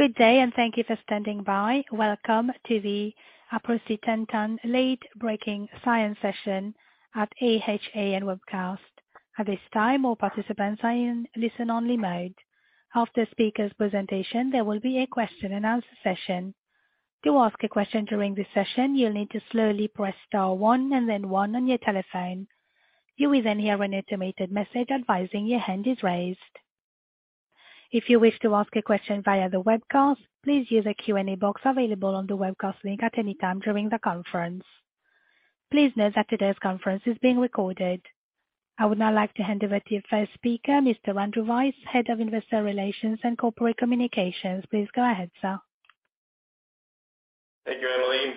Good day and thank you for standing by. Welcome to the aprocitentan late-breaking science session at AHA and webcast. At this time, all participants are in listen-only mode. After speaker's presentation, there will be a question and answer session. To ask a question during this session, you'll need to slowly press star one and then one on your telephone. You will then hear an automated message advising your hand is raised. If you wish to ask a question via the webcast, please use the Q&A box available on the webcast link at any time during the conference. Please note that today's conference is being recorded. I would now like to hand over to your first speaker, Mr. Andrew Weiss, Head of Investor Relations and Corporate Communications. Please go ahead, sir. Thank you, Emily.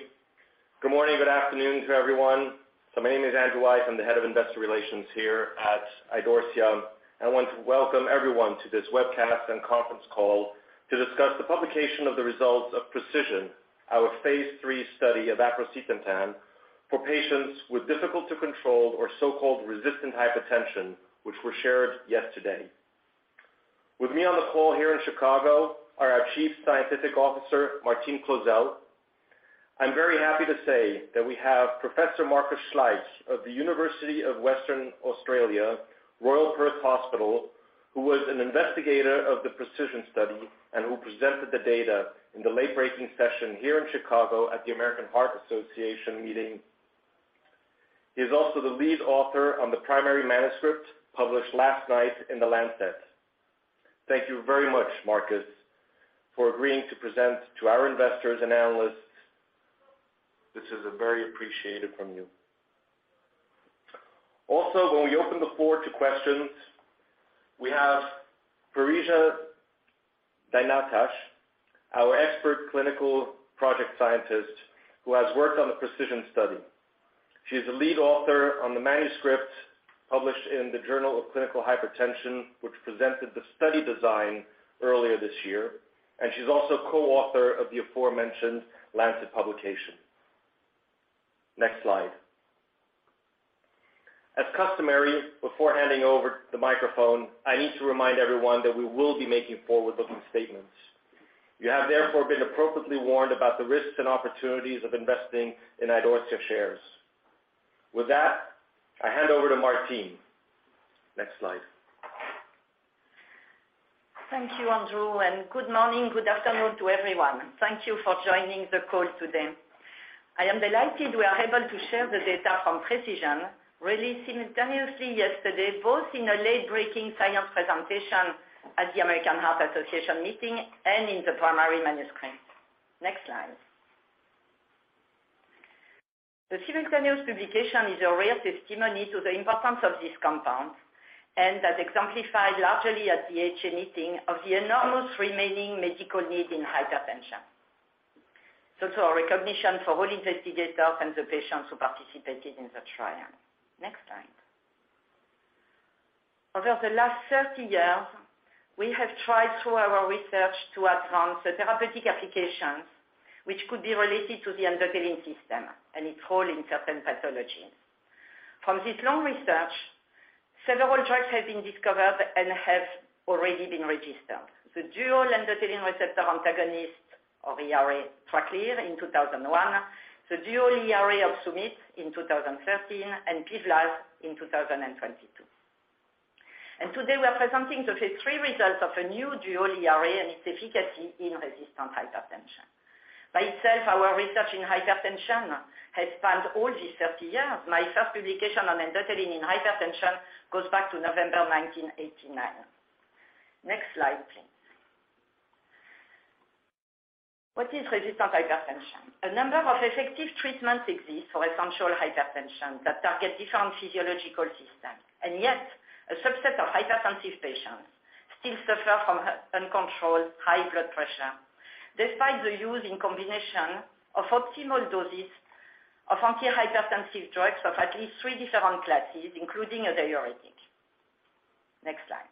Good morning, good afternoon to everyone. My name is Andrew Weiss. I'm the Head of Investor Relations here at Idorsia, and I want to welcome everyone to this webcast and conference call to discuss the publication of the results of PRECISION, our phase III study of aprocitentan for patients with difficult-to-control or so-called resistant hypertension, which were shared yesterday. With me on the call here in Chicago are our Chief Scientific Officer, Martine Clozel. I'm very happy to say that we have Professor Markus Schlaich of The University of Western Australia, Royal Perth Hospital, who was an investigator of the PRECISION study and who presented the data in the late-breaking session here in Chicago at the American Heart Association meeting. He is also the Lead Author on the primary manuscript published last night in The Lancet. Thank you very much, Markus, for agreeing to present to our investors and analysts. This is very much appreciated from you. Also, when we open the floor to questions, we have Parisa Danaietash, our Expert Clinical Project Scientist, who has worked on the PRECISION study. She is a lead author on the manuscript published in the Journal of Clinical Hypertension, which presented the study design earlier this year, and she's also co-author of the aforementioned The Lancet publication. Next slide. As customary, before handing over the microphone, I need to remind everyone that we will be making forward-looking statements. You have therefore been appropriately warned about the risks and opportunities of investing in Idorsia shares. With that, I hand over to Martine. Next slide. Thank you, Andrew, and good morning, good afternoon to everyone. Thank you for joining the call today. I am delighted we are able to share the data from PRECISION released simultaneously yesterday, both in a late-breaking science presentation at the American Heart Association meeting and in the primary manuscript. Next slide. The simultaneous publication is a real testimony to the importance of this compound and that exemplified largely at the AHA meeting of the enormous remaining medical need in hypertension. To our recognition for all investigators and the patients who participated in the trial. Next slide. Over the last 30 years, we have tried through our research to advance the therapeutic applications which could be related to the endothelial system and its role in certain pathologies. From this long research, several drugs have been discovered and have already been registered. The dual endothelin receptor antagonist or ERA, Tracleer, in 2001, the dual ERA Opsumit in 2013, and PIVLAZ in 2022. Today we are presenting the phase III results of a new dual ERA and its efficacy in resistant hypertension. By itself, our research in hypertension has spanned all these 30 years. My first publication on endothelin in hypertension goes back to November 1989. Next slide, please. What is resistant hypertension? A number of effective treatments exist for essential hypertension that target different physiological systems. Yet, a subset of hypertensive patients still suffer from uncontrolled high blood pressure despite the use in combination of optimal doses of antihypertensive drugs of at least three different classes, including a diuretic. Next slide.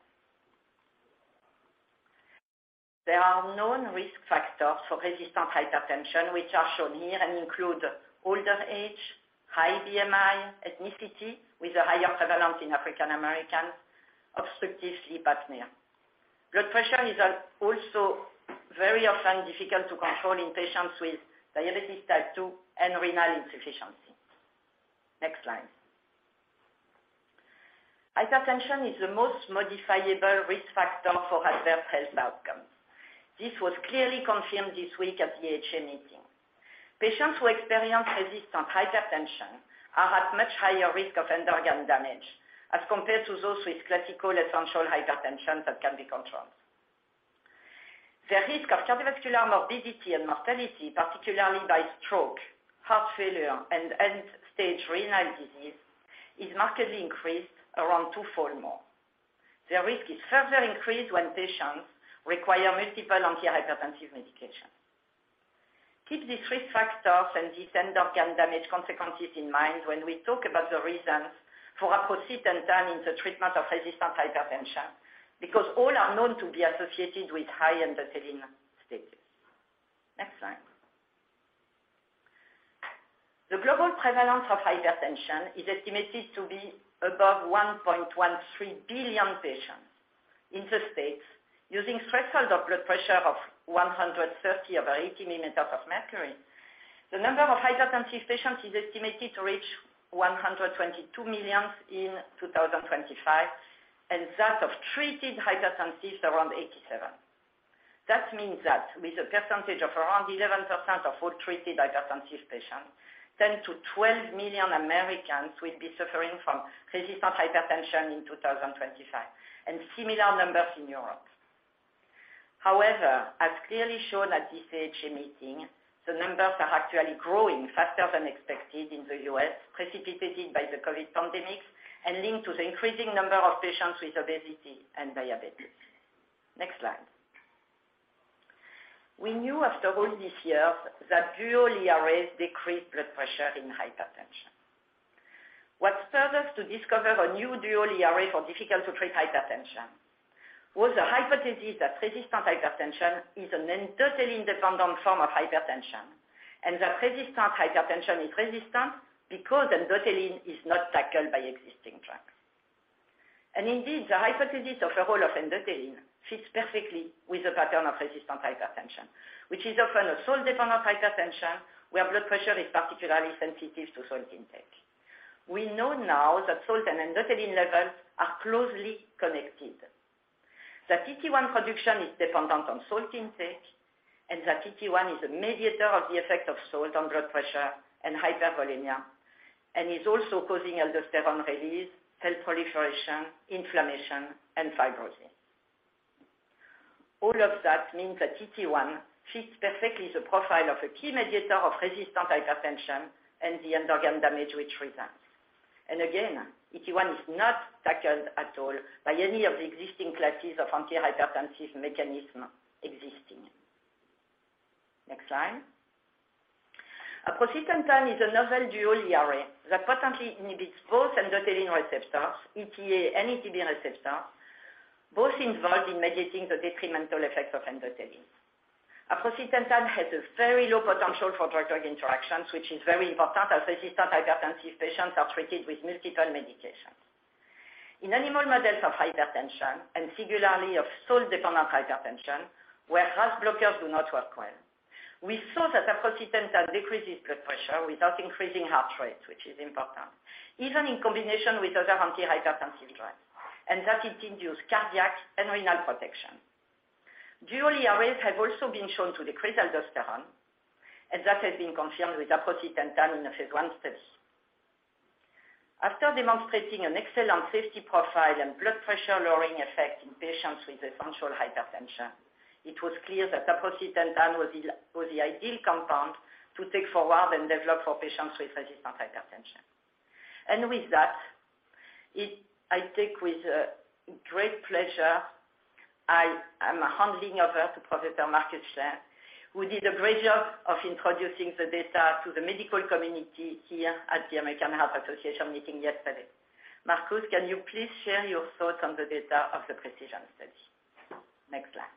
There are known risk factors for resistant hypertension, which are shown here and include older age, high BMI, ethnicity with a higher prevalence in African Americans, obstructive sleep apnea. Blood pressure is also very often difficult to control in patients with diabetes type 2 and renal insufficiency. Next slide. Hypertension is the most modifiable risk factor for adverse health outcomes. This was clearly confirmed this week at the AHA meeting. Patients who experience resistant hypertension are at much higher risk of end organ damage as compared to those with classical essential hypertension that can be controlled. The risk of cardiovascular morbidity and mortality, particularly by stroke, heart failure and end-stage renal disease, is markedly increased around twofold more. The risk is further increased when patients require multiple antihypertensive medications. Keep these risk factors and these end organ damage consequences in mind when we talk about the reasons for aprocitentan in the treatment of resistant hypertension, because all are known to be associated with high endothelin status. Next slide. The global prevalence of hypertension is estimated to be above 1.13 billion patients. In the States, using threshold of blood pressure of 130/80 mmHg, the number of hypertensive patients is estimated to reach 122 million in 2025, and that of treated hypertensives around 87. That means that with a percentage of around 11% of all treated hypertensive patients, 10 to 12 million Americans will be suffering from resistant hypertension in 2025, and similar numbers in Europe. However, as clearly shown at this AHA meeting, the numbers are actually growing faster than expected in the U.S., precipitated by the COVID pandemic and linked to the increasing number of patients with obesity and diabetes. Next slide. We knew after all these years that dual ERA decrease blood pressure in hypertension. What spurred us to discover a new dual ERA for difficult to treat hypertension was the hypothesis that resistant hypertension is an endothelin-dependent form of hypertension, and that resistant hypertension is resistant because endothelin is not tackled by existing drugs. Indeed, the hypothesis of the role of endothelin fits perfectly with the pattern of resistant hypertension, which is often a salt-dependent hypertension, where blood pressure is particularly sensitive to salt intake. We know now that salt and endothelin levels are closely connected, that ET-1 production is dependent on salt intake, and that ET-1 is a mediator of the effect of salt on blood pressure and hypervolemia and is also causing aldosterone release, cell proliferation, inflammation and fibrosis. All of that means that ET-1 fits perfectly the profile of a key mediator of resistant hypertension and the end organ damage which results. ET-1 is not tackled at all by any of the existing classes of antihypertensive mechanism existing. Next slide. Aprocitentan is a novel dual ERA that potently inhibits both endothelin receptors, ETA and ETB receptors, both involved in mediating the detrimental effects of endothelin. Aprocitentan has a very low potential for drug-drug interactions, which is very important as resistant hypertensive patients are treated with multiple medications. In animal models of hypertension and specifically of salt-dependent hypertension, where RAS blockers do not work well, we saw that aprocitentan decreases blood pressure without increasing heart rate, which is important, even in combination with other antihypertensive drugs, and that it induced cardiac and renal protection. Dual ERAs have also been shown to decrease aldosterone, and that has been confirmed with aprocitentan in a phase I study. After demonstrating an excellent safety profile and blood pressure-lowering effect in patients with essential hypertension, it was clear that aprocitentan was the ideal compound to take forward and develop for patients with resistant hypertension. With that, it is with great pleasure, I am handing over to Professor Markus Schlaich, who did a great job of introducing the data to the medical community here at the American Heart Association meeting yesterday. Markus, can you please share your thoughts on the data of the PRECISION study? Next slide.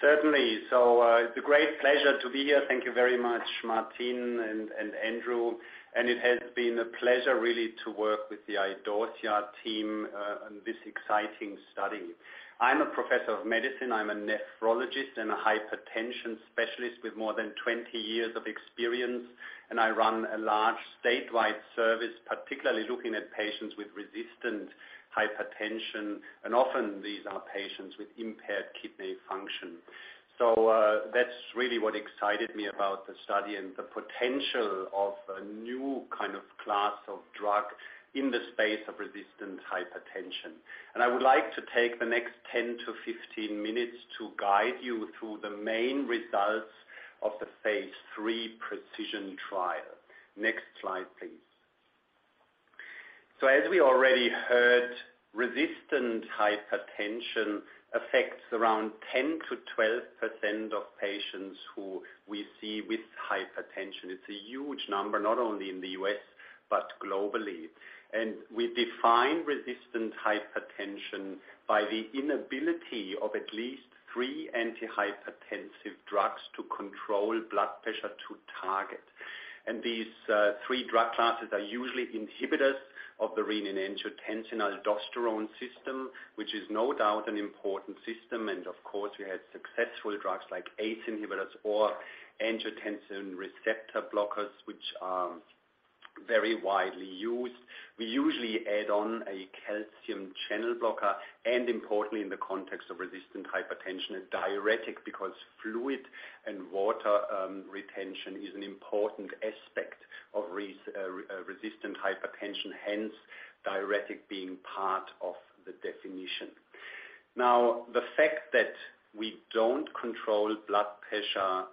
Certainly. It's a great pleasure to be here. Thank you very much, Martine and Andrew. It has been a pleasure really to work with the Idorsia team on this exciting study. I'm a professor of medicine. I'm a nephrologist and a hypertension specialist with more than 20 years of experience, and I run a large statewide service, particularly looking at patients with resistant hypertension. Often these are patients with impaired kidney function. That's really what excited me about the study and the potential of a new kind of class of drug in the space of resistant hypertension. I would like to take the next 10 to 15 minutes to guide you through the main results of the phase III PRECISION trial. Next slide, please. As we already heard, resistant hypertension affects around 10%-12% of patients who we see with hypertension. It's a huge number, not only in the U.S., but globally. We define resistant hypertension by the inability of at least three antihypertensive drugs to control blood pressure to target. These three drug classes are usually inhibitors of the renin-angiotensin-aldosterone system, which is no doubt an important system. Of course, we have successful drugs like ACE inhibitors or angiotensin receptor blockers, which are very widely used. We usually add on a calcium channel blocker and importantly in the context of resistant hypertension, a diuretic because fluid and water retention is an important aspect of resistant hypertension, hence diuretic being part of the definition. Now, the fact that we don't control blood pressure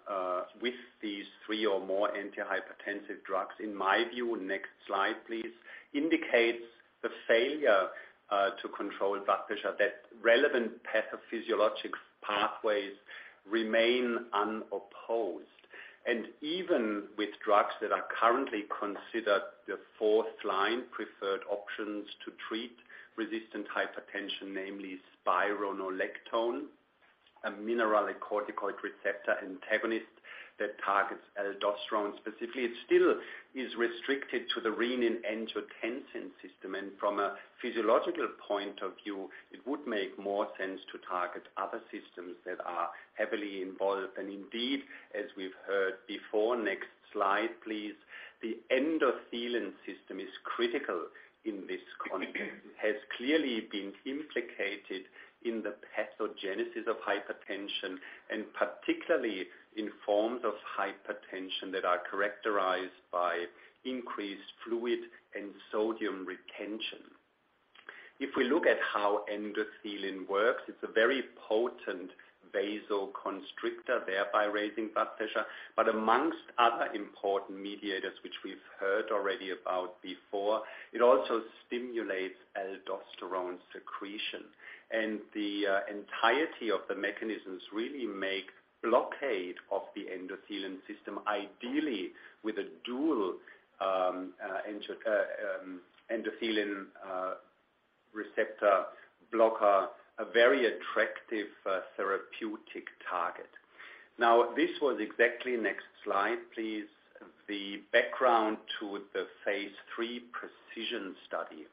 with these three or more antihypertensive drugs, in my view, next slide, please, indicates the failure to control blood pressure, that relevant pathophysiologic pathways remain unopposed. Even with drugs that are currently considered the fourth line preferred options to treat resistant hypertension, namely spironolactone, a mineralocorticoid receptor antagonist that targets aldosterone specifically. It still is restricted to the renin-angiotensin system. From a physiological point of view, it would make more sense to target other systems that are heavily involved. Indeed, as we've heard before, next slide, please. The endothelin system is critical in this context. It has clearly been implicated in the pathogenesis of hypertension, and particularly in forms of hypertension that are characterized by increased fluid and sodium retention. If we look at how endothelin works, it's a very potent vasoconstrictor, thereby raising blood pressure. Among other important mediators, which we've heard already about before, it also stimulates aldosterone secretion. Entirety of the mechanisms really make blockade of the endothelin system, ideally with a dual endothelin receptor blocker, a very attractive therapeutic target. Now, this was exactly, next slide, please, the background to the phase III PRECISION study,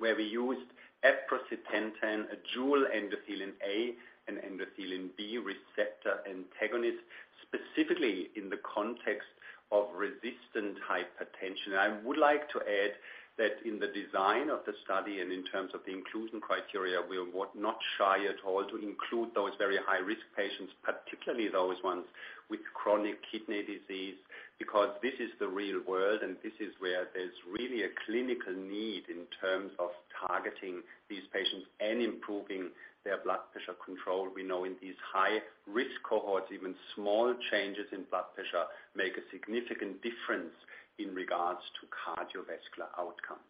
where we used aprocitentan, a dual endothelin A and endothelin B receptor antagonist, specifically in the context of resistant hypertension. I would like to add that in the design of the study and in terms of the inclusion criteria, we were not shy at all to include those very high-risk patients, particularly those ones with chronic kidney disease, because this is the real world, and this is where there's really a clinical need in terms of targeting these patients and improving their blood pressure control. We know in these high-risk cohorts, even small changes in blood pressure make a significant difference in regards to cardiovascular outcomes.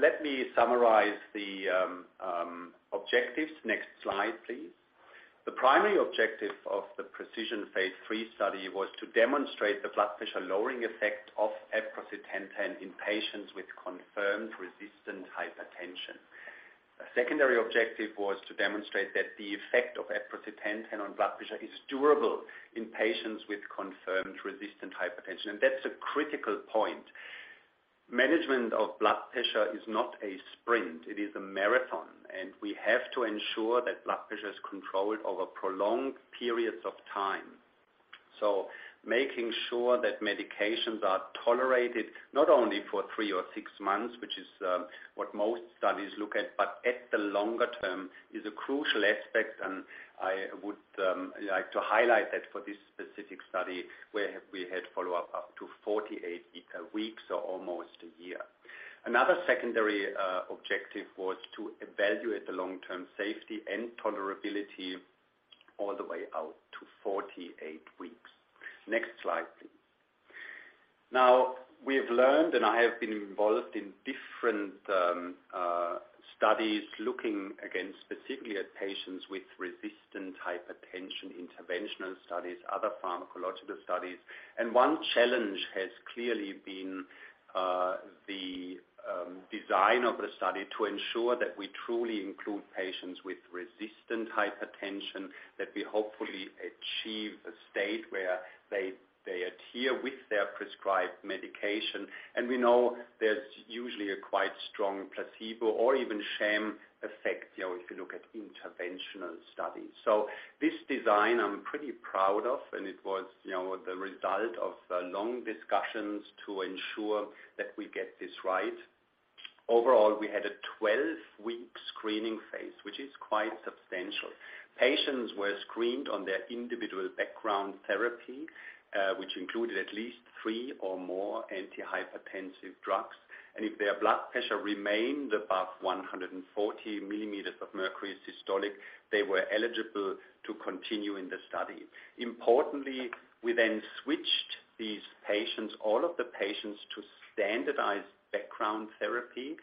Let me summarize the objectives. Next slide, please. The primary objective of the PRECISION phase III study was to demonstrate the blood pressure lowering effect of aprocitentan in patients with confirmed resistant hypertension. A secondary objective was to demonstrate that the effect of aprocitentan on blood pressure is durable in patients with confirmed resistant hypertension, and that's a critical point. Management of blood pressure is not a sprint, it is a marathon, and we have to ensure that blood pressure is controlled over prolonged periods of time. Making sure that medications are tolerated not only for three or six months, which is what most studies look at, but at the longer term, is a crucial aspect, and I would like to highlight that for this specific study, where we had follow-up up to 48 weeks or almost a year. Another secondary objective was to evaluate the long-term safety and tolerability all the way out to 48 weeks. Next slide, please. Now, we have learned, and I have been involved in different studies looking, again, specifically at patients with resistant hypertension, interventional studies, other pharmacological studies. One challenge has clearly been the design of the study to ensure that we truly include patients with resistant hypertension, that we hopefully achieve a state where they adhere with their prescribed medication. We know there's usually a quite strong placebo or even sham effect, you know, if you look at interventional studies. So this design I'm pretty proud of, and it was, you know, the result of long discussions to ensure that we get this right. Overall, we had a 12-week screening phase, which is quite substantial. Patients were screened on their individual background therapy, which included at least three or more antihypertensive drugs. If their blood pressure remained above 140 mmHg systolic, they were eligible to continue in the study. Importantly, we then switched these patients, all of the patients, to standardized background therapy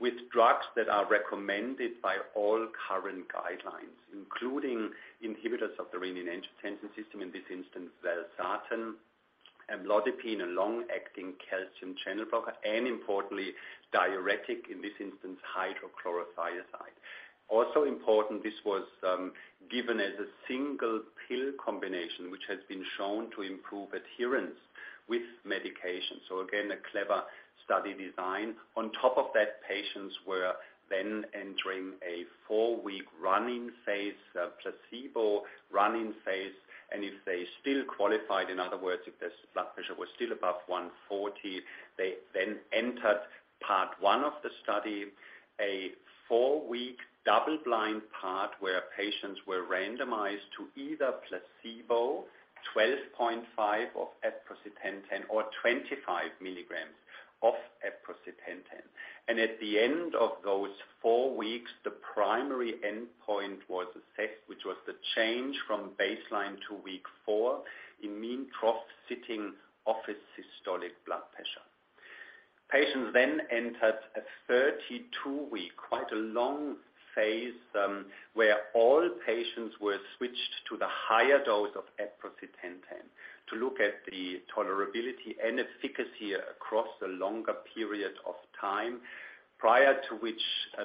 with drugs that are recommended by all current guidelines, including inhibitors of the renin-angiotensin system, in this instance, valsartan, amlodipine, a long-acting calcium channel blocker, and importantly, diuretic, in this instance, hydrochlorothiazide. Also important, this was given as a single-pill combination, which has been shown to improve adherence with medication. Again, a clever study design. On top of that, patients were then entering a four-week run-in phase, a placebo run-in phase. If they still qualified, in other words, if their blood pressure was still above 140 mmHg, they then entered Part 1 of the study, a four-week double-blind part where patients were randomized to either placebo, 12.5 mg of aprocitentan or 25 mg of aprocitentan. At the end of those four weeks, the primary endpoint was assessed, which was the change from baseline to week four in mean trough sitting office systolic blood pressure. Patients then entered a 32-week, quite a long phase, where all patients were switched to the higher dose of aprocitentan to look at the tolerability and efficacy across a longer period of time. Prior to which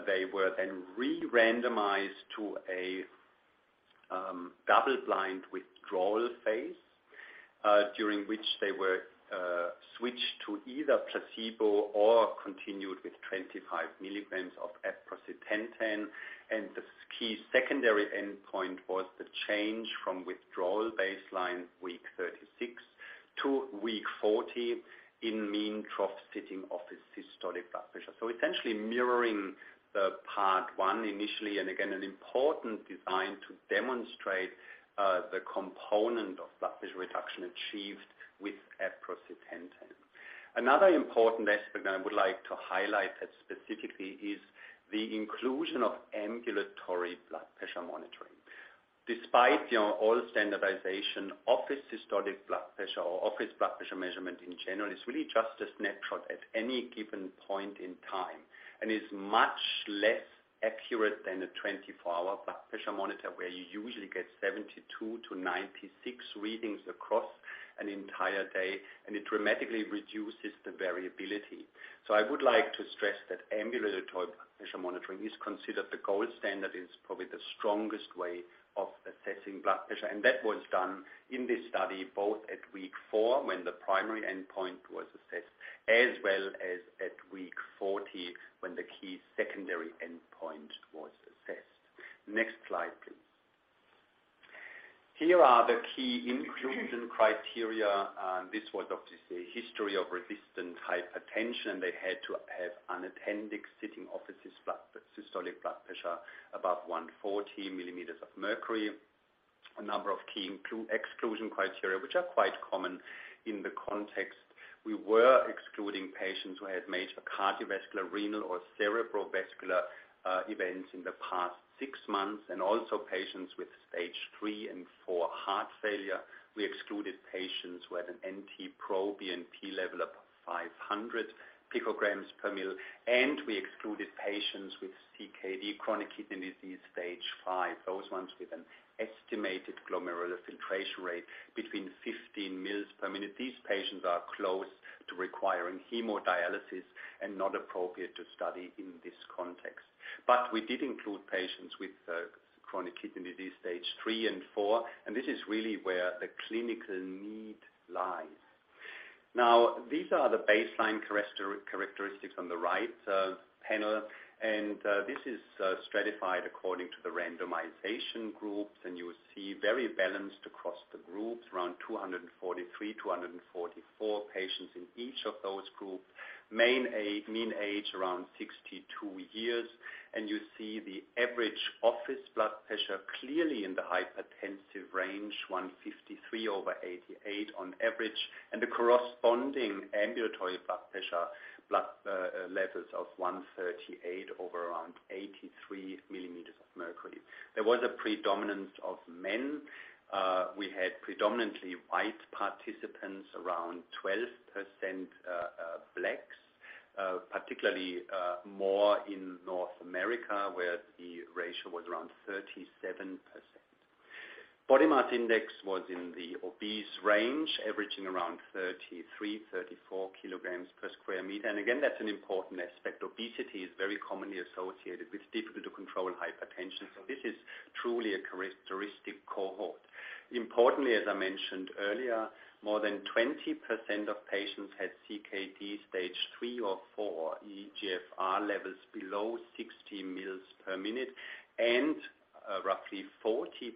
they were then re-randomized to a double-blind withdrawal phase, during which they were switched to either placebo or continued with 25 mg of aprocitentan. The key secondary endpoint was the change from withdrawal baseline week 36 to week 40 in mean trough sitting office systolic blood pressure. Essentially mirroring the Part 1 initially, and again, an important design to demonstrate the component of blood pressure reduction achieved with aprocitentan. Another important aspect that I would like to highlight that specifically is the inclusion of ambulatory blood pressure monitoring. Despite all standardization, office systolic blood pressure or office blood pressure measurement in general is really just a snapshot at any given point in time, and is much less accurate than a 24-hour blood pressure monitor, where you usually get 72-96 mmHg readings across an entire day, and it dramatically reduces the variability. I would like to stress that ambulatory pressure monitoring is considered the gold standard, is probably the strongest way of assessing blood pressure, and that was done in this study both at week four, when the primary endpoint was assessed, as well as at week 40, when the key secondary endpoint was assessed. Next slide, please. Here are the key inclusion criteria, and this was obviously a history of resistant hypertension. They had to have unattended sitting office systolic blood pressure above 140 mmHg. A number of key inclusion-exclusion criteria, which are quite common in the context. We were excluding patients who had major cardiovascular, renal or cerebrovascular events in the past six months, and also patients with stage 3 and 4 heart failure. We excluded patients who had an NT-proBNP level of 500 pg/mL, and we excluded patients with CKD, chronic kidney disease, stage 5, those ones with an estimated glomerular filtration rate between 15 mL/min. These patients are close to requiring hemodialysis and not appropriate to study in this context. We did include patients with chronic kidney disease stage 3 and 4, and this is really where the clinical need lies. Now, these are the baseline characteristics on the right panel, and this is stratified according to the randomization groups. You see very balanced across the groups, around 243, 244 patients in each of those groups. Mean age, around 62 years. You see the average office blood pressure clearly in the hypertensive range, 153/88 mmHg on average, and the corresponding ambulatory blood pressure levels of 138/83 mmHg. There was a predominance of men. We had predominantly white participants, around 12%, Blacks, particularly more in North America, where the ratio was around 37%. Body mass index was in the obese range, averaging around 33-34 kilograms per square meter. That's an important aspect. Obesity is very commonly associated with difficult to control hypertension, so this is truly a characteristic cohort. Importantly, as I mentioned earlier, more than 20% of patients had CKD stage 3 or 4 eGFR levels below 60 mL/min, and roughly 40%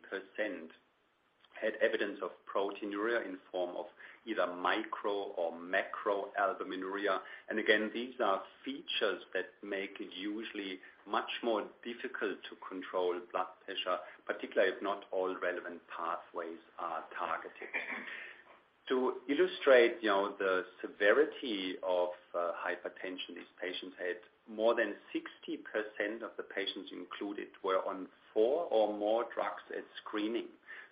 had evidence of proteinuria in form of either micro or macro albuminuria. Again, these are features that make it usually much more difficult to control blood pressure, particularly if not all relevant pathways are targeted. To illustrate the severity of hypertension these patients had, more than 60% of the patients included were on four or more drugs at screening.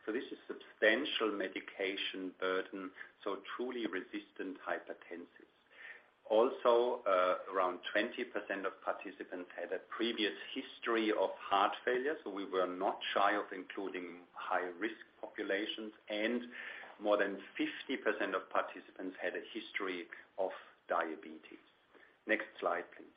This is substantial medication burden, so truly resistant hypertensives. Also, around 20% of participants had a previous history of heart failure, so we were not shy of including high-risk populations, and more than 50% of participants had a history of diabetes. Next slide, please.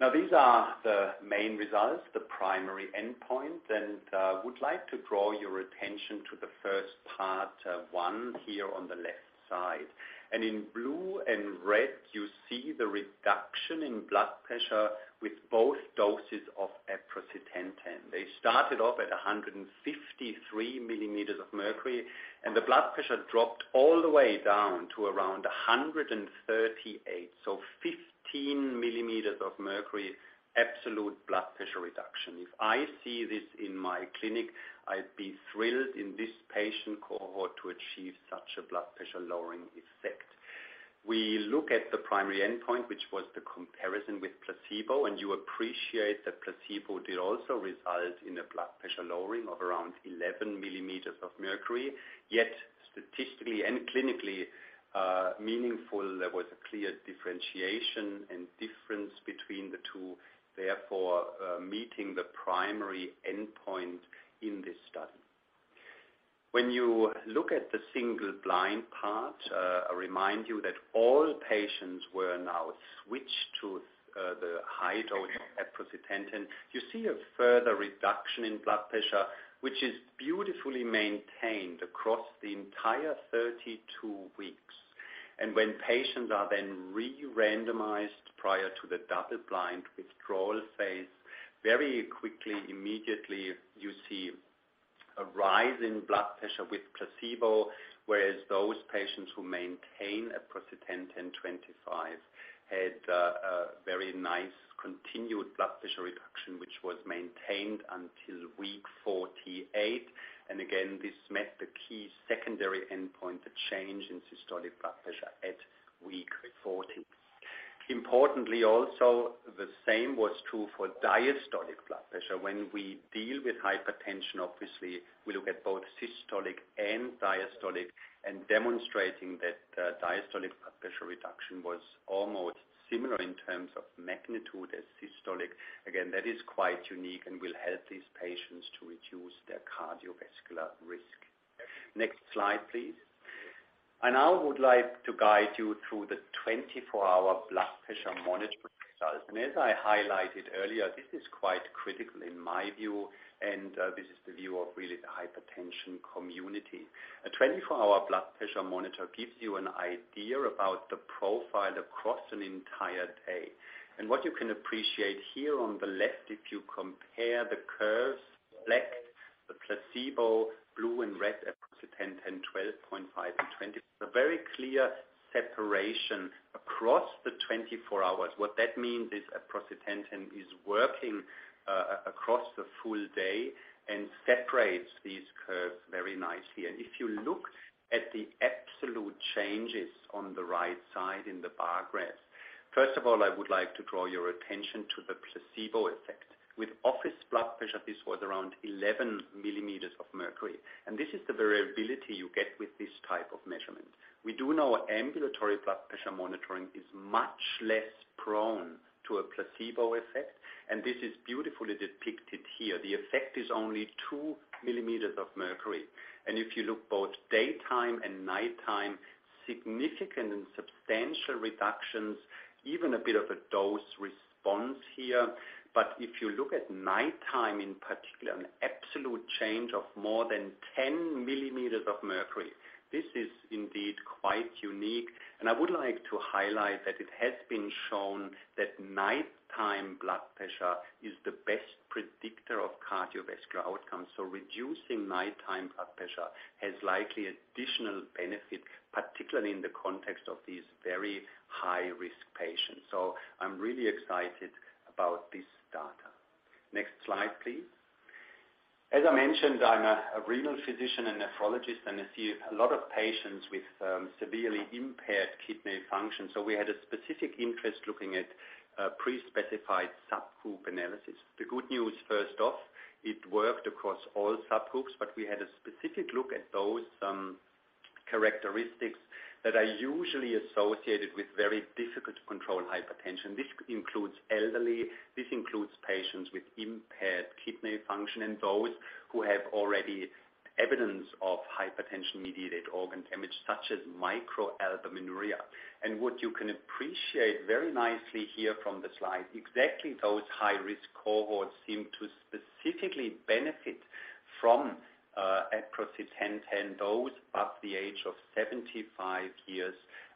Now these are the main results, the primary endpoint, and would like to draw your attention to the first Part 1 here on the left side. In blue and red, you see the reduction in blood pressure with both doses of aprocitentan. They started off at 153 mmHg, and the blood pressure dropped all the way down to around 138 mmHg. So 15 mmHg, absolute blood pressure reduction. If I see this in my clinic, I'd be thrilled in this patient cohort to achieve such a blood pressure lowering effect. We look at the primary endpoint, which was the comparison with placebo, and you appreciate that placebo did also result in a blood pressure lowering of around 11 mmHg. Yet statistically and clinically meaningful, there was a clear differentiation and difference between the two, therefore meeting the primary endpoint in this study. When you look at the single-blind part, I remind you that all patients were now switched to the high dose aprocitentan. You see a further reduction in blood pressure, which is beautifully maintained across the entire 32 weeks. When patients are then re-randomized prior to the double-blind withdrawal phase, very quickly, immediately, you see a rise in blood pressure with placebo, whereas those patients who maintain aprocitentan 25 mg had a very nice continued blood pressure reduction, which was maintained until week 48. Again, this met the key secondary endpoint, the change in systolic blood pressure at week 40. Importantly, also, the same was true for diastolic blood pressure. When we deal with hypertension, obviously we look at both systolic and diastolic, and demonstrating that, diastolic blood pressure reduction was almost similar in terms of magnitude as systolic. Again, that is quite unique and will help these patients to reduce their cardiovascular risk. Next slide, please. I now would like to guide you through the 24-hour blood pressure management results. As I highlighted earlier, this is quite critical in my view, and this is the view of really the hypertension community. A 24-hour blood pressure monitor gives you an idea about the profile across an entire day. What you can appreciate here on the left, if you compare the curves, black, the placebo, blue and red, aprocitentan 12.5 mg and 25 mg, a very clear separation across the 24 hours. What that means is aprocitentan is working across the full day and separates these curves very nicely. If you look at the absolute changes on the right side in the bar graphs, first of all, I would like to draw your attention to the placebo effect. With office blood pressure, this was around 11 mmHg, and this is the variability you get with this type of measurement. We do know ambulatory blood pressure monitoring is much less prone to a placebo effect, and this is beautifully depicted here. The effect is only 2 mmHg. If you look both daytime and nighttime, significant and substantial reductions, even a bit of a dose response here. If you look at nighttime, in particular, an absolute change of more than 10 mmHg, this is indeed quite unique. I would like to highlight that it has been shown that nighttime blood pressure is the best predictor of cardiovascular outcomes. Reducing nighttime blood pressure has likely additional benefit, particularly in the context of these very high-risk patients. I'm really excited about this data. Next slide, please. As I mentioned, I'm a renal physician and nephrologist, and I see a lot of patients with severely impaired kidney function, so we had a specific interest looking at pre-specified subgroup analysis. The good news, first off, it worked across all subgroups, but we had a specific look at those characteristics that are usually associated with very difficult to control hypertension. This includes elderly, this includes patients with impaired kidney function, and those who have already evidence of hypertension-mediated organ damage, such as microalbuminuria. What you can appreciate very nicely here from the slide, exactly those high-risk cohorts seem to specifically benefit from aprocitentan, those above the age of 75 years,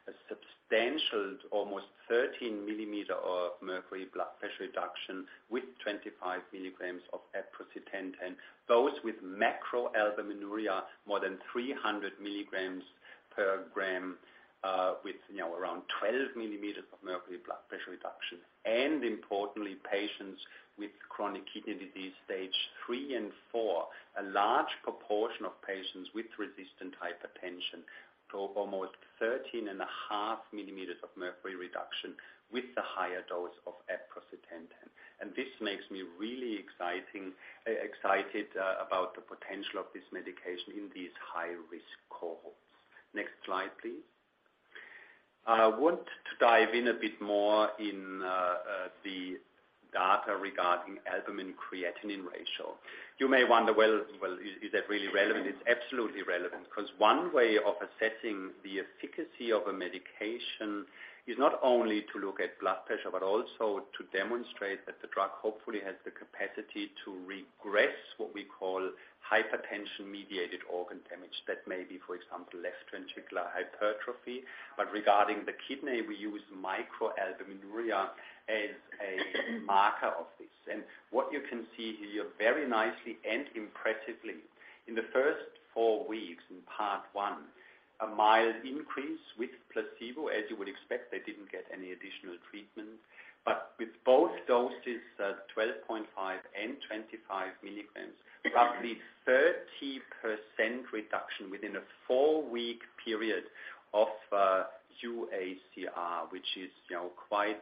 a substantial, almost 13 mmHg blood pressure reduction with 25 mg of aprocitentan. Those with macroalbuminuria, more than 300 mg/g, you know, around 12 mmHg blood pressure reduction. Importantly, patients with chronic kidney disease stage 3 and 4, a large proportion of patients with resistant hypertension saw almost 13.5 mmHg reduction with the higher dose of aprocitentan. This makes me really excited about the potential of this medication in these high-risk cohorts. Next slide, please. I want to dive in a bit more into the data regarding albumin-creatinine ratio. You may wonder, well, is that really relevant? It's absolutely relevant, because one way of assessing the efficacy of a medication is not only to look at blood pressure, but also to demonstrate that the drug hopefully has the capacity to regress what we call hypertension-mediated organ damage. That may be, for example, left ventricular hypertrophy. Regarding the kidney, we use microalbuminuria as a marker of this. What you can see here very nicely and impressively, in the first four weeks, in Part 1, a mild increase with placebo. As you would expect, they didn't get any additional treatment. With both doses, 12.5 mg and 25 mg, roughly 30% reduction within a four-week period of UACR, which is, you know, quite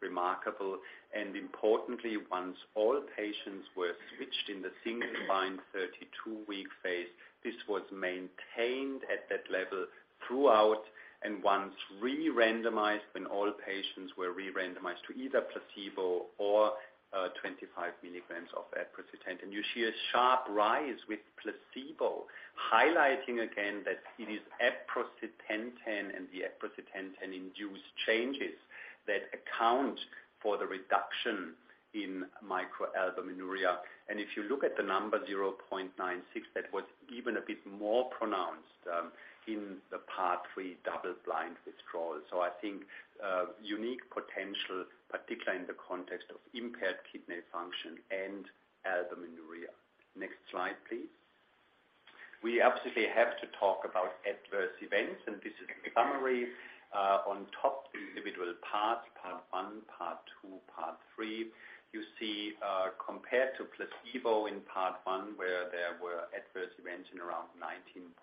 remarkable. Importantly, once all patients were switched in the single-blind 32-week phase, this was maintained at that level throughout. Once re-randomized, when all patients were re-randomized to either placebo or 25 mg of aprocitentan, you see a sharp rise with placebo, highlighting again that it is aprocitentan and the aprocitentan-induced changes that account for the reduction in microalbuminuria. If you look at the number 0.96, that was even a bit more pronounced in the Part 3 double-blind withdrawal. I think a unique potential, particularly in the context of impaired kidney function and albuminuria. Next slide, please. We absolutely have to talk about adverse events, and this is a summary of the individual parts, Part 1, Part 2, Part 3. You see, compared to placebo in Part 1, where there were adverse events in around 19.4%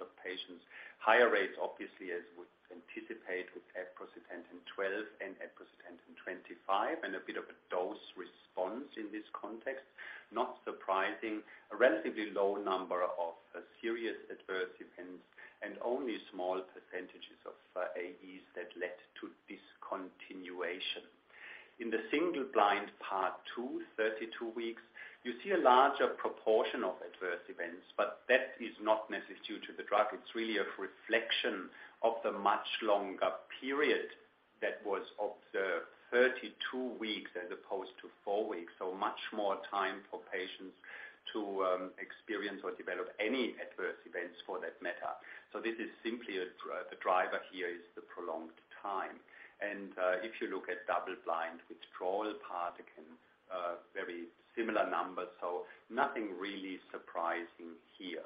of patients. Higher rates, obviously, as we anticipate with aprocitentan 12.5 mg and aprocitentan 25 mg, and a bit of a dose response in this context. Not surprising, a relatively low number of serious adverse events and only small percentages of AEs that led to discontinuation. In the single-blind Part 2, 32 weeks, you see a larger proportion of adverse events, but that is not necessarily due to the drug. It's really a reflection of the much longer period that was observed 32 weeks as opposed to four weeks. Much more time for patients to experience or develop any adverse events for that matter. This is simply the driver here is the prolonged time. If you look at double-blind withdrawal part, again, very similar numbers, so nothing really surprising here.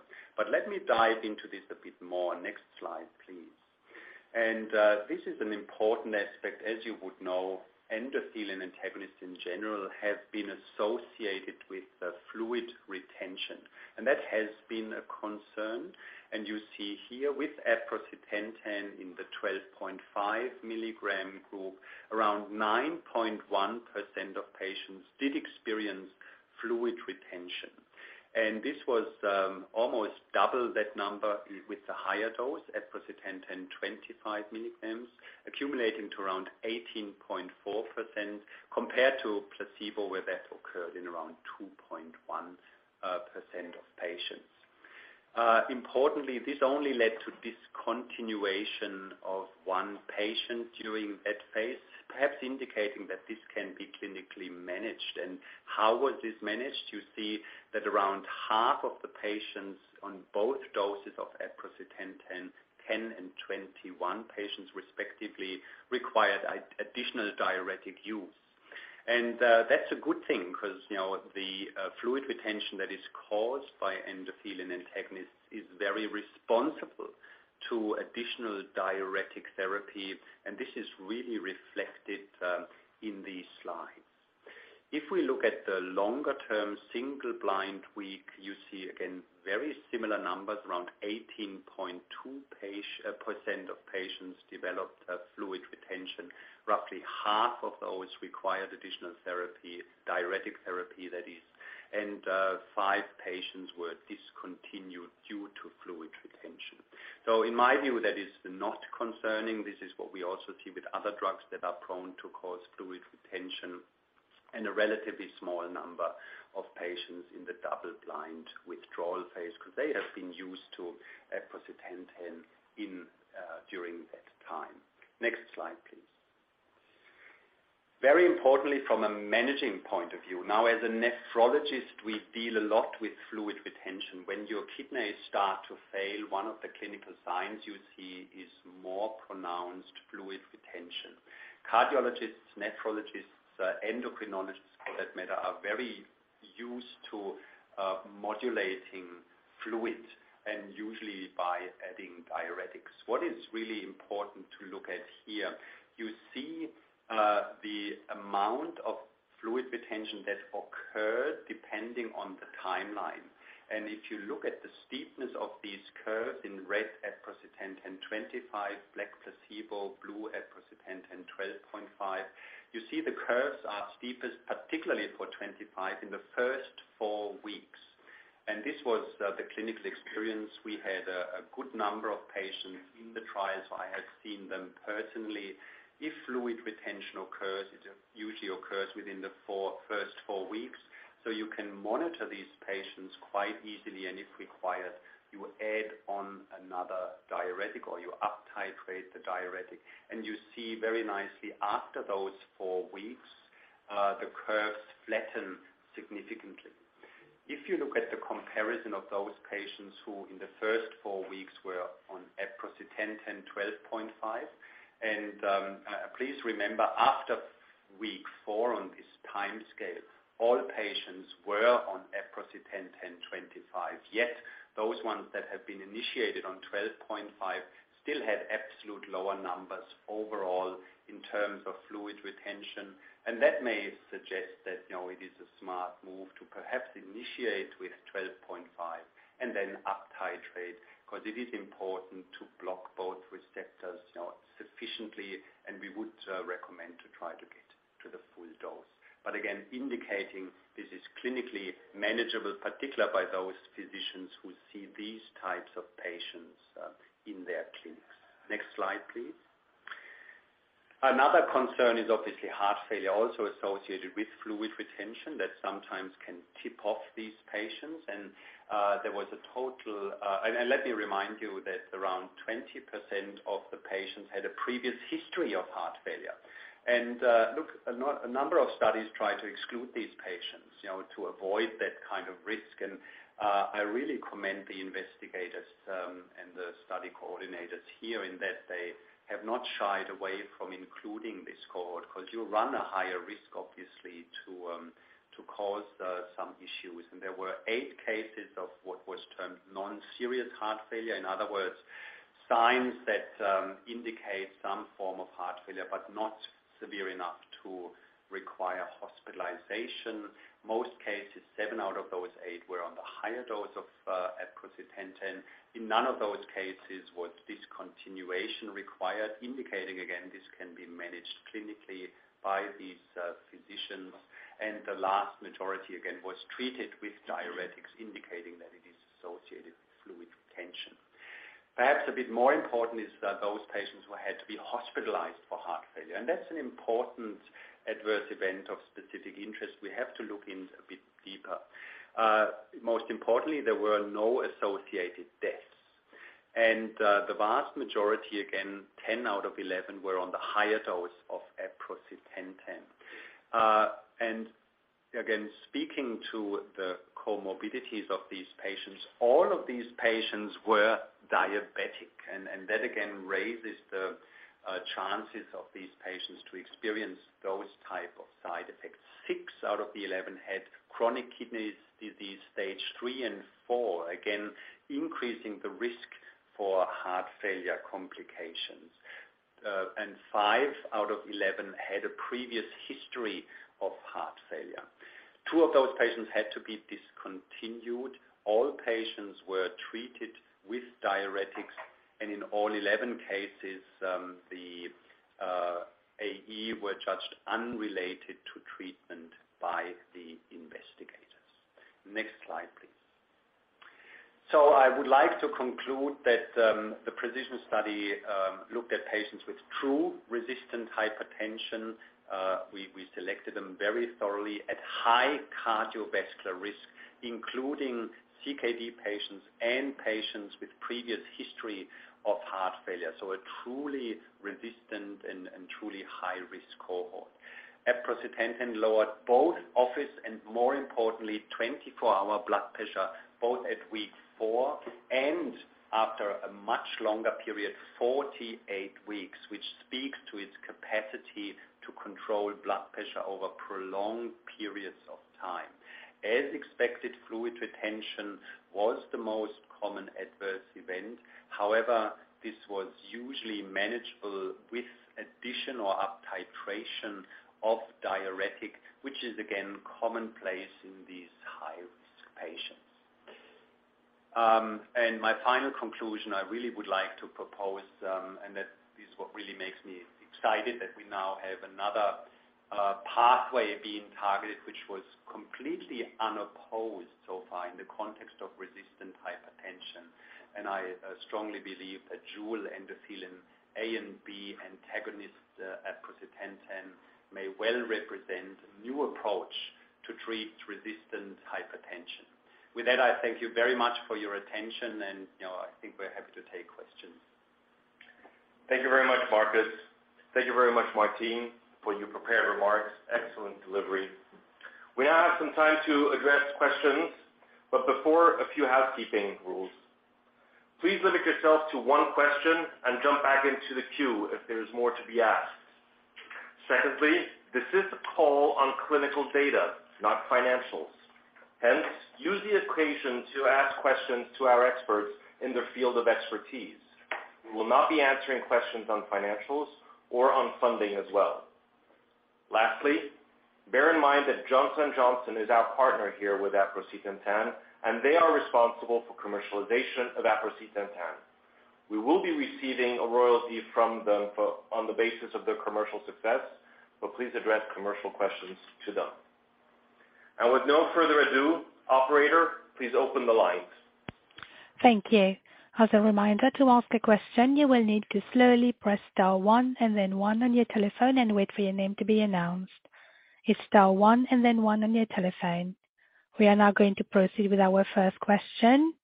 Let me dive into this a bit more. Next slide, please. This is an important aspect. As you would know, endothelin antagonists, in general, have been associated with the fluid retention, and that has been a concern. You see here with aprocitentan in the 12.5 mg group, around 9.1% of patients did experience fluid retention. This was almost double that number with the higher dose at aprocitentan 25 mg, accumulating to around 18.4% compared to placebo, where that occurred in around 2.1% of patients. Importantly, this only led to discontinuation of one patient during that phase, perhaps indicating that this can be clinically managed. How was this managed? You see that around half of the patients on both doses of aprocitentan, 10 and 21 patients respectively, required additional diuretic use. That's a good thing 'cause, you know, the fluid retention that is caused by endothelin antagonists is very responsive to additional diuretic therapy, and this is really reflected in these slides. If we look at the longer-term single-blind week, you see again very similar numbers. Around 18.2% of patients developed fluid retention. Roughly half of those required additional therapy, diuretic therapy that is, and five patients were discontinued due to fluid retention. In my view, that is not concerning. This is what we also see with other drugs that are prone to cause fluid retention and a relatively small number of patients in the double-blind withdrawal phase 'cause they have been used to aprocitentan during that time. Next slide, please. Very importantly, from a management point of view, as a nephrologist, we deal a lot with fluid retention. When your kidneys start to fail, one of the clinical signs you see is more pronounced fluid retention. Cardiologists, nephrologists, endocrinologists for that matter, are very used to modulating fluid and usually by adding diuretics. What is really important to look at here, you see, the amount of fluid retention that occurred depending on the timeline. If you look at the steepness of these curves in red aprocitentan 25 mg, black placebo, blue aprocitentan 12.5 mg, you see the curves are steepest, particularly for 25 mg in the first four weeks. This was the clinical experience. We had a good number of patients in the trial, so I had seen them personally. If fluid retention occurs, it usually occurs within the first four weeks, so you can monitor these patients quite easily, and if required, you add on another diuretic or you uptitrate the diuretic. You see very nicely after those four weeks, the curves flatten significantly. If you look at the comparison of those patients who in the first four weeks were on aprocitentan 12.5 mg and, please remember after week four on this timescale, all patients were on aprocitentan 25 mg. Yet those ones that have been initiated on 12.5 mg still had absolute lower numbers overall in terms of fluid retention, and that may suggest that, you know, it is a smart move to perhaps initiate with 12.5 mg and then uptitrate. 'Cause it is important to block both receptors, you know, sufficiently, and we would recommend to try to get to the full dose. But again, indicating this is clinically manageable, particularly by those physicians who see these types of patients in their clinics. Next slide, please. Another concern is obviously heart failure, also associated with fluid retention that sometimes can tip off these patients. There was a total. Let me remind you. Around 20% of the patients had a previous history of heart failure. Look, a number of studies try to exclude these patients, you know, to avoid that kind of risk. I really commend the investigators and the study coordinators here in that they have not shied away from including this cohort, 'cause you run a higher risk, obviously, to cause some issues. There were eight cases of what was termed non-serious heart failure. In other words, signs that indicate some form of heart failure, but not severe enough to require hospitalization. Most cases, seven out of those eight were on the higher dose of aprocitentan. In none of those cases was discontinuation required, indicating again, this can be managed clinically by these physicians. The vast majority, again, was treated with diuretics, indicating that it is associated with fluid retention. Perhaps a bit more important is that those patients who had to be hospitalized for heart failure, and that's an important adverse event of specific interest we have to look into a bit deeper. Most importantly, there were no associated deaths. The vast majority, again, 10 out of 11, were on the higher dose of aprocitentan. Speaking to the comorbidities of these patients, all of these patients were diabetic and that again raises the chances of these patients to experience those type of side effects. Six out of the 11 had chronic kidney disease, stage 3 and 4, again increasing the risk for heart failure complications. Five out of 11 had a previous history of heart failure. Two of those patients had to be discontinued. All patients were treated with diuretics, and in all 11 cases, the AE were judged unrelated to treatment by the investigators. Next slide, please. I would like to conclude that the PRECISION study looked at patients with true resistant hypertension. We selected them very thoroughly at high cardiovascular risk, including CKD patients and patients with previous history of heart failure. A truly resistant and truly high-risk cohort. Aprocitentan lowered both office and, more importantly, 24-hour blood pressure, both at week four and after a much longer period, 48 weeks, which speaks to its capacity to control blood pressure over prolonged periods of time. As expected, fluid retention was the most common adverse event. However, this was usually manageable with addition or uptitration of diuretic, which is again commonplace in these high-risk patients. My final conclusion I really would like to propose, and that is what really makes me excited, that we now have another pathway being targeted, which was completely unopposed so far in the context of resistant hypertension. I strongly believe that dual endothelin A and B antagonist, aprocitentan, may well represent a new approach to treat resistant hypertension. With that, I thank you very much for your attention and, you know, I think we're happy to take questions. Thank you very much, Markus. Thank you very much, Martine, for your prepared remarks. Excellent delivery. We now have some time to address questions, but before, a few housekeeping rules. Please limit yourself to one question and jump back into the queue if there is more to be asked. Secondly, this is a call on clinical data, not financials. Hence, use the occasion to ask questions to our experts in their field of expertise. We will not be answering questions on financials or on funding as well. Lastly, bear in mind that Johnson & Johnson is our partner here with aprocitentan, and they are responsible for commercialization of aprocitentan. We will be receiving a royalty from them for, on the basis of their commercial success, but please address commercial questions to them. With no further ado, operator, please open the lines. Thank you. As a reminder, to ask a question, you will need to slowly press star one and then one on your telephone and wait for your name to be announced. It's star one and then one on your telephone. We are now going to proceed with our first question.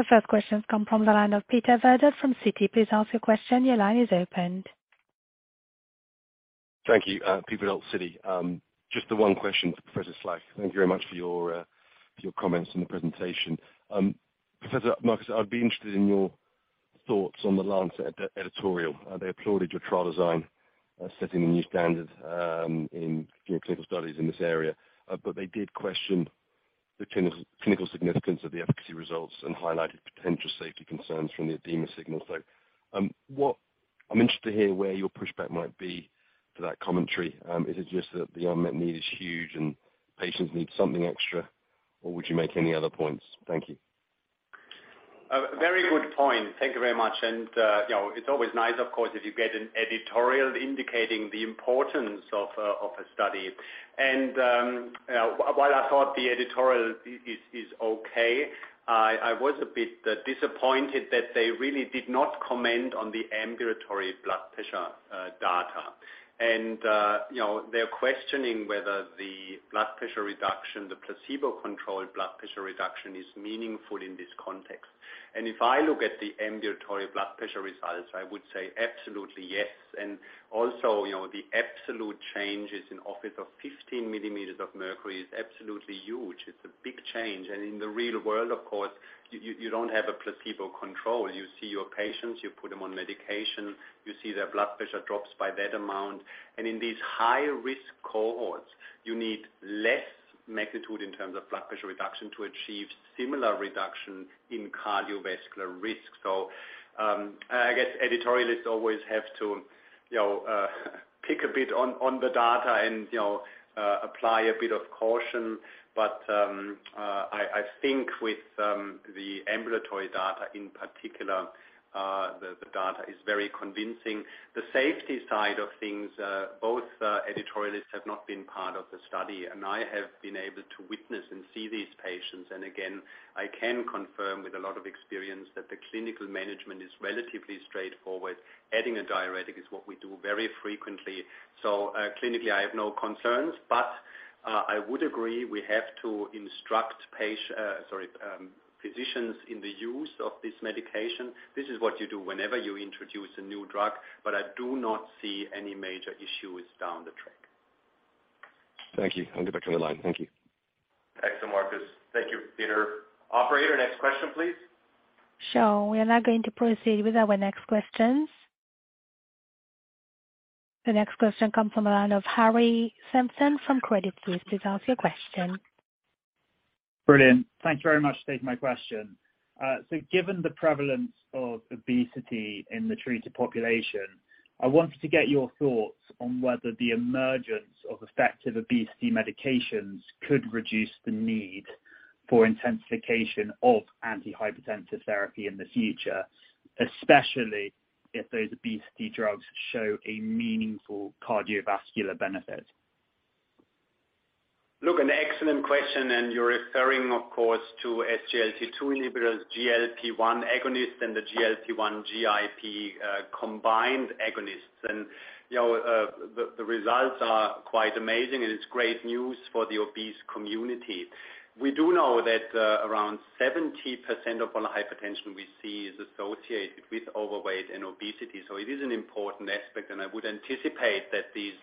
The first question come from the line of Peter Verdult from Citi. Please ask your question. Your line is opened. Thank you. Peter Verdult, Citi. Just the one question to Professor Schlaich. Thank you very much for your comments in the presentation. Professor Markus, I'd be interested in your thoughts on The Lancet editorial. They applauded your trial design, setting a new standard in clinical studies in this area. But they did question the clinical significance of the efficacy results and highlighted potential safety concerns from the edema signal. I'm interested to hear where your pushback might be to that commentary. Is it just that the unmet need is huge and patients need something extra, or would you make any other points? Thank you. A very good point. Thank you very much. You know, it's always nice, of course, if you get an editorial indicating the importance of a study. While I thought the editorial is okay, I was a bit disappointed that they really did not comment on the ambulatory blood pressure data. You know, they're questioning whether the blood pressure reduction, the placebo-controlled blood pressure reduction is meaningful in this context. If I look at the ambulatory blood pressure results, I would say absolutely yes. Also, you know, the absolute changes in office of 15 mmHg is absolutely huge. It's a big change. In the real world, of course, you don't have a placebo control. You see your patients, you put them on medication, you see their blood pressure drops by that amount. In these high-risk cohorts, you need less magnitude in terms of blood pressure reduction to achieve similar reduction in cardiovascular risk. I guess editorialists always have to, you know, pick a bit on the data and, you know, apply a bit of caution. I think with the ambulatory data in particular, the data is very convincing. The safety side of things, both editorialists have not been part of the study, and I have been able to witness and see these patients. Again, I can confirm with a lot of experience that the clinical management is relatively straightforward. Adding a diuretic is what we do very frequently. Clinically, I have no concerns, but I would agree we have to instruct physicians in the use of this medication. This is what you do whenever you introduce a new drug, but I do not see any major issues down the track. Thank you. I'll get back on the line. Thank you. Thanks to Markus. Thank you, Peter. Operator, next question, please. Sure. We are now going to proceed with our next questions. The next question comes from the line of Harry Sephton from Credit Suisse. Please ask your question. Brilliant. Thank you very much for taking my question. Given the prevalence of obesity in the treated population, I wanted to get your thoughts on whether the emergence of effective obesity medications could reduce the need for intensification of antihypertensive therapy in the future, especially if those obesity drugs show a meaningful cardiovascular benefit? Look, an excellent question, and you're referring, of course, to SGLT2 inhibitors, GLP-1 agonist, and the GLP-1 GIP combined agonists. You know, the results are quite amazing, and it's great news for the obese community. We do know that around 70% of all hypertension we see is associated with overweight and obesity. It is an important aspect, and I would anticipate that these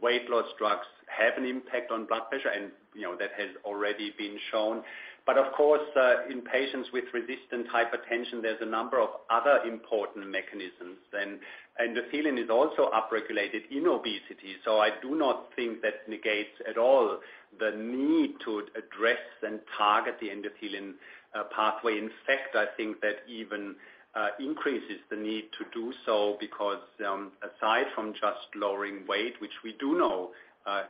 weight loss drugs have an impact on blood pressure and, you know, that has already been shown. Of course, in patients with resistant hypertension, there's a number of other important mechanisms. Endothelin is also upregulated in obesity, so I do not think that negates at all the need to address and target the endothelin pathway. In fact, I think that even increases the need to do so because, aside from just lowering weight, which we do know,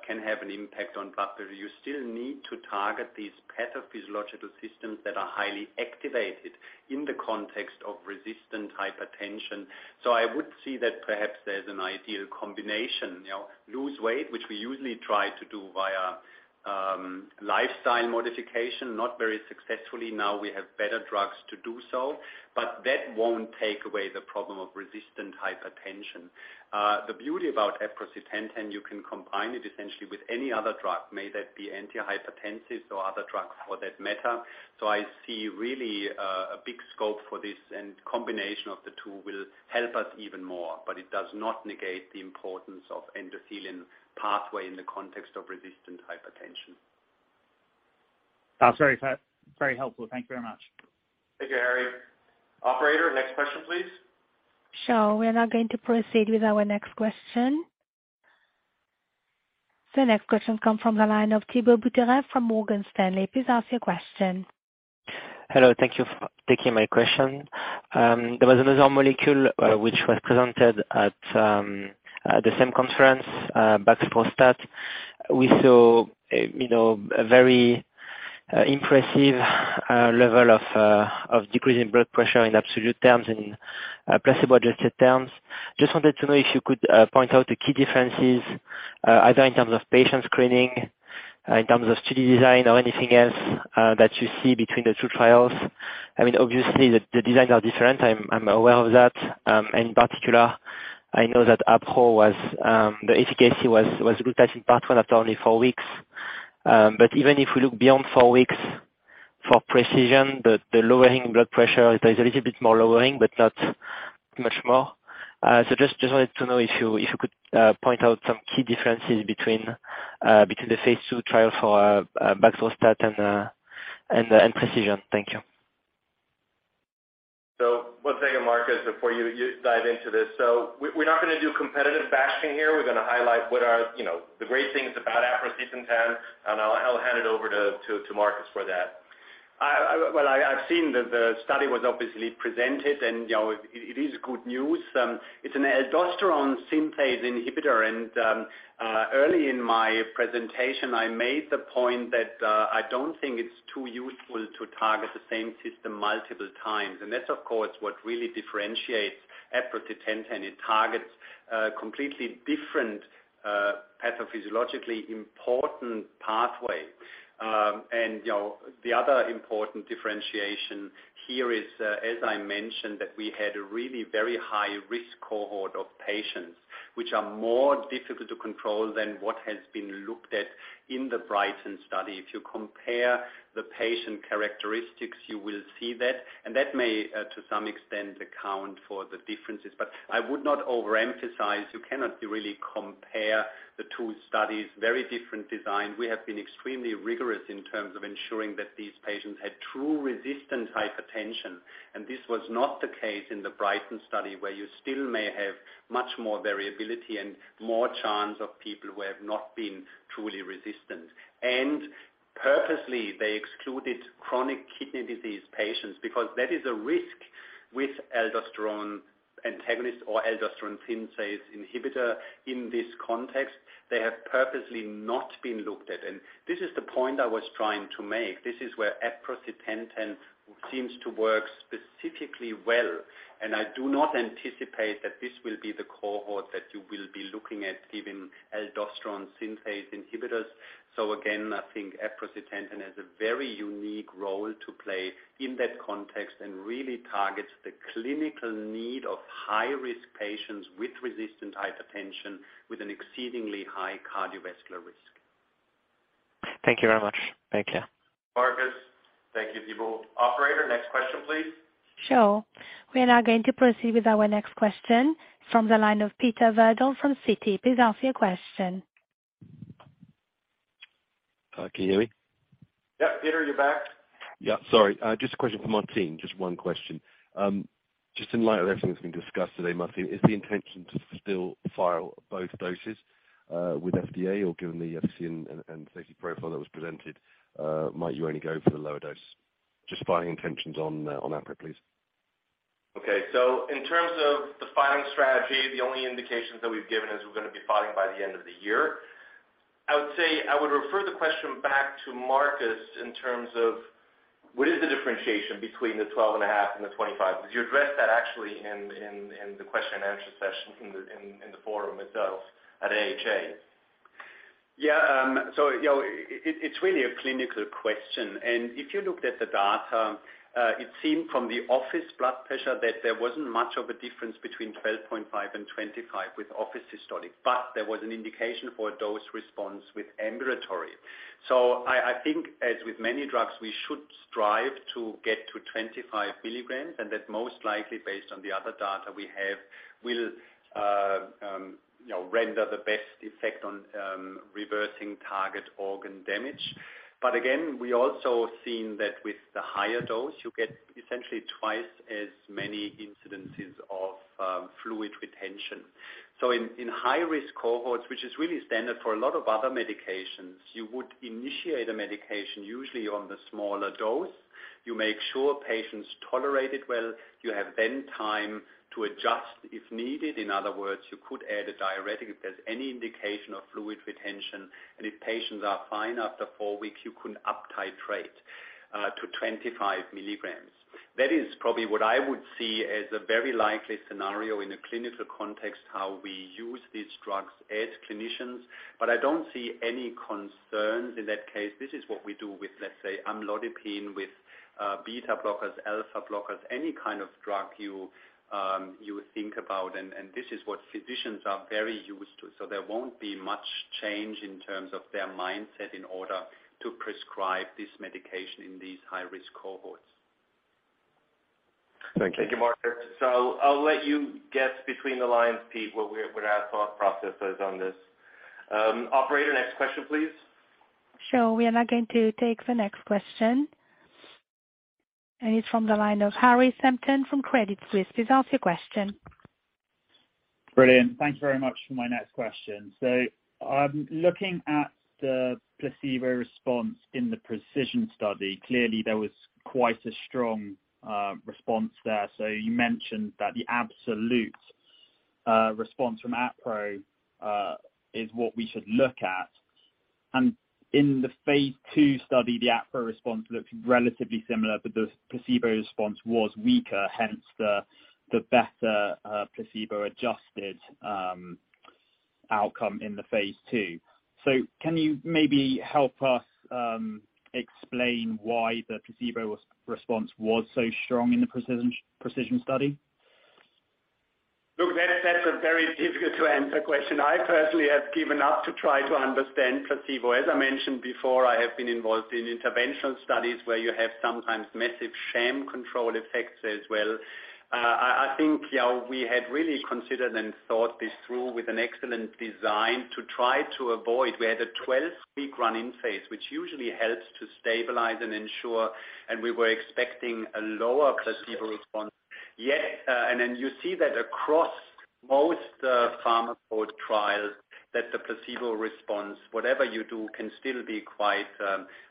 can have an impact on blood pressure, you still need to target these pathophysiological systems that are highly activated in the context of resistant hypertension. I would see that perhaps there's an ideal combination. You know, lose weight, which we usually try to do via lifestyle modification, not very successfully. Now we have better drugs to do so. That won't take away the problem of resistant hypertension. The beauty about aprocitentan, you can combine it essentially with any other drug, may that be antihypertensives or other drugs for that matter. I see really a big scope for this, and combination of the two will help us even more. It does not negate the importance of endothelin pathway in the context of resistant hypertension. That's very helpful. Thank you very much. Thank you, Harry. Operator, next question, please. Sure. We are now going to proceed with our next question. The next question come from the line of Thibault Boutherin from Morgan Stanley. Please ask your question. Hello. Thank you for taking my question. There was another molecule, which was presented at the same conference, baxdrostat. We saw, you know, a very impressive level of decreasing blood pressure in absolute terms and in placebo-adjusted terms. Just wanted to know if you could point out the key differences, either in terms of patient screening, in terms of study design or anything else, that you see between the two trials. I mean, obviously, the designs are different. I'm aware of that. In particular, I know that the efficacy was good, I think, Part 1 after only four weeks. Even if we look beyond four weeks for PRECISION, the lowering blood pressure, there's a little bit more lowering, but not much more. Just wanted to know if you could point out some key differences between the phase II trial for baxdrostat and the PRECISION. Thank you. One second, Markus, before you dive into this. We're not gonna do competitive bashing here. We're gonna highlight what are, you know, the great things about baxdrostat, and I'll hand it over to Markus for that. Well, I've seen the study was obviously presented and, you know, it is good news. It's an aldosterone synthase inhibitor and early in my presentation, I made the point that I don't think it's too useful to target the same system multiple times. That's, of course, what really differentiates aprocitentan. It targets completely different pathophysiologically important pathway. You know, the other important differentiation here is, as I mentioned, that we had a really very high risk cohort of patients which are more difficult to control than what has been looked at in the BrigHTN study. If you compare the patient characteristics, you will see that. That may, to some extent, account for the differences. I would not overemphasize. You cannot really compare the two studies. Very different design. We have been extremely rigorous in terms of ensuring that these patients had true resistant hypertension, and this was not the case in the BrigHTN study, where you still may have much more variability and more chance of people who have not been truly resistant. Purposely, they excluded chronic kidney disease patients because that is a risk with aldosterone antagonist or aldosterone synthase inhibitor in this context. They have purposely not been looked at. This is the point I was trying to make. This is where aprocitentan seems to work specifically well, and I do not anticipate that this will be the cohort that you will be looking at giving aldosterone synthase inhibitors. Again, I think aprocitentan has a very unique role to play in that context and really targets the clinical need of high-risk patients with resistant hypertension with an exceedingly high cardiovascular risk. Thank you very much. Thank you. Markus. Thank you, Thibault. Operator, next question, please. Sure. We are now going to proceed with our next question from the line of Peter Verdult from Citi. Please ask your question. Can you hear me? Yeah, Peter, you're back. Sorry. Just a question for Martine. Just one question. In light of everything that's been discussed today, Martine, is the intention to still file both doses with FDA or given the efficacy and safety profile that was presented, might you only go for the lower dose? Just filing intentions on aprocitentan, please. Okay. In terms of the filing strategy, the only indications that we've given is we're gonna be filing by the end of the year. I would say I would refer the question back to Markus in terms of what is the differentiation between the 12.5 and the 25. Because you addressed that actually in the question and answer session in the forum itself at AHA. Yeah. You know, it's really a clinical question. If you looked at the data, it seemed from the office blood pressure that there wasn't much of a difference between 12.5 mg and 25 mg with office systolic. There was an indication for a dose response with ambulatory. I think, as with many drugs, we should strive to get to 25 mg, and that most likely based on the other data we have, will render the best effect on reversing target organ damage. Again, we also seen that with the higher dose, you get essentially twice as many incidences of fluid retention. In high-risk cohorts, which is really standard for a lot of other medications, you would initiate a medication usually on the smaller dose. You make sure patients tolerate it well. You have then time to adjust if needed. In other words, you could add a diuretic if there's any indication of fluid retention. If patients are fine after four weeks, you can uptitrate to 25 mg. That is probably what I would see as a very likely scenario in a clinical context, how we use these drugs as clinicians. I don't see any concerns in that case. This is what we do with, let's say, amlodipine, with beta blockers, alpha blockers, any kind of drug you think about. This is what physicians are very used to. There won't be much change in terms of their mindset in order to prescribe this medication in these high-risk cohorts. Thank you. Thank you, Markus. I'll let you guess between the lines, Peter, what our thought process is on this. Operator, next question, please. Sure. We are now going to take the next question. It's from the line of Harry Sephton from Credit Suisse. Please ask your question. Brilliant. Thank you very much for my next question. I'm looking at the placebo response in the PRECISION study. Clearly, there was quite a strong response there. You mentioned that the absolute response from aprocitentan is what we should look at. In the phase II study, the aprocitentan response looked relatively similar, but the placebo response was weaker, hence the better placebo-adjusted outcome in the phase II. Can you maybe help us explain why the placebo response was so strong in the PRECISION study? Look, that's a very difficult to answer question. I personally have given up to try to understand placebo. As I mentioned before, I have been involved in interventional studies where you have sometimes massive sham control effects as well. I think, yeah, we had really considered and thought this through with an excellent design to try to avoid. We had a 12-week run-in phase, which usually helps to stabilize and ensure, and we were expecting a lower placebo response. Yet, and then you see that across most placebo-controlled trials that the placebo response, whatever you do, can still be quite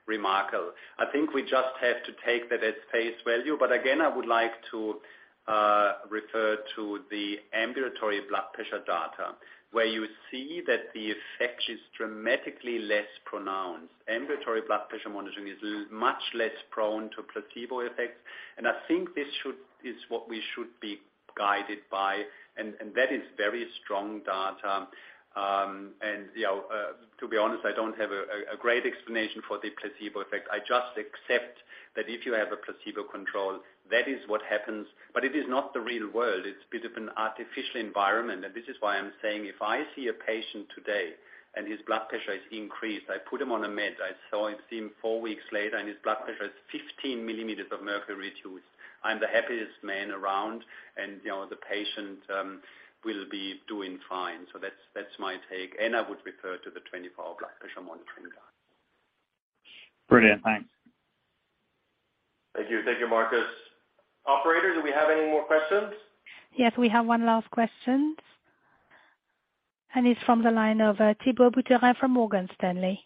remarkable. I think we just have to take that at face value. Again, I would like to refer to the ambulatory blood pressure data, where you see that the effect is dramatically less pronounced. Ambulatory blood pressure monitoring is much less prone to placebo effects. I think this is what we should be guided by, and that is very strong data. You know, to be honest, I don't have a great explanation for the placebo effect. I just accept that if you have a placebo control, that is what happens. It is not the real world. It's a bit of an artificial environment. This is why I'm saying, if I see a patient today and his blood pressure is increased, I put him on a med. I've seen four weeks later, and his blood pressure is 15 mmHg reduced. I'm the happiest man around, you know, the patient will be doing fine. That's my take. I would refer to the 24-hour blood pressure monitoring data. Brilliant. Thanks. Thank you. Thank you, Markus. Operator, do we have any more questions? Yes, we have one last question. It's from the line of, Thibault Boutherin from Morgan Stanley.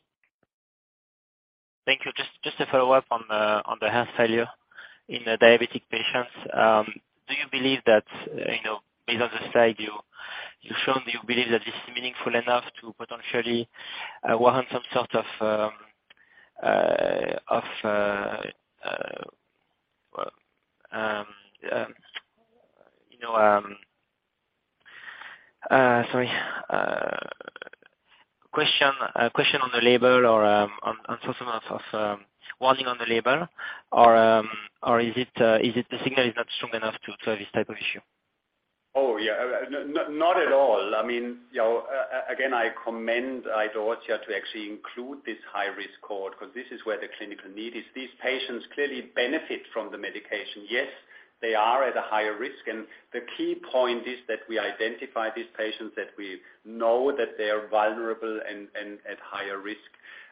Thank you. Just a follow-up on the heart failure in the diabetic patients. Do you believe that, you know, based on the slide you've shown, this is meaningful enough to potentially warrant some sort of question on the label or on some sort of warning on the label? Or is it the signal is not strong enough to have this type of issue? Oh, yeah. Not at all. I mean, you know, again, I commend Idorsia to actually include this high-risk cohort because this is where the clinical need is. These patients clearly benefit from the medication. Yes, they are at a higher risk, and the key point is that we identify these patients, that we know that they are vulnerable and at higher risk,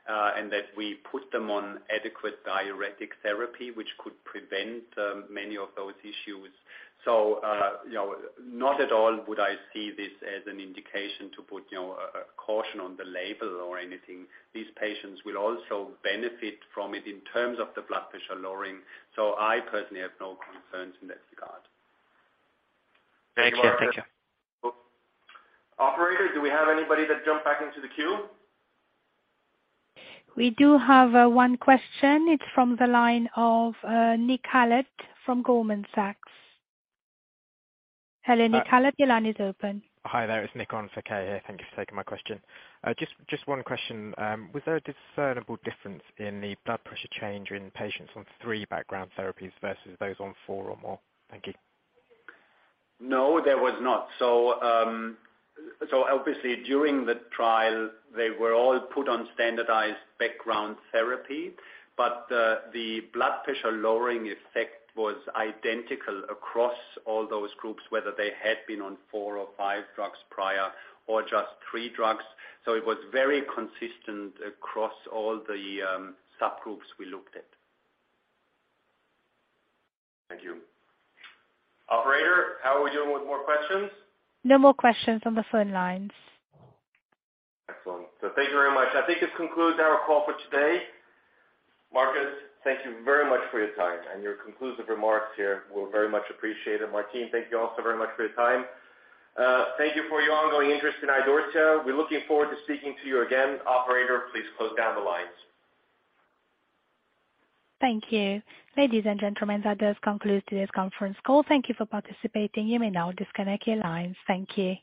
and that we put them on adequate diuretic therapy, which could prevent many of those issues. You know, not at all would I see this as an indication to put a caution on the label or anything. These patients will also benefit from it in terms of the blood pressure lowering. I personally have no concerns in that regard. Thank you. Operator, do we have anybody that jumped back into the queue? We do have one question. It's from the line of Nick Hallatt from Goldman Sachs. Hello, Nick Hallatt, your line is open. Hi, there. It's Nick on for K here. Thank you for taking my question. Just one question. Was there a discernible difference in the blood pressure change in patients on three background therapies versus those on four or more? Thank you. No, there was not. Obviously during the trial, they were all put on standardized background therapy, but the blood pressure lowering effect was identical across all those groups, whether they had been on four or five drugs prior or just three drugs. It was very consistent across all the subgroups we looked at. Thank you. Operator, how are we doing with more questions? No more questions on the phone lines. Excellent. Thank you very much. I think this concludes our call for today. Markus, thank you very much for your time and your conclusive remarks here. We'll very much appreciate it. Martine, thank you also very much for your time. Thank you for your ongoing interest in Idorsia. We're looking forward to speaking to you again. Operator, please close down the lines. Thank you. Ladies and gentlemen, that does conclude today's conference call. Thank you for participating. You may now disconnect your lines. Thank you.